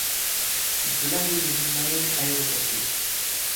Il peut larguer des mines marines aéroportées.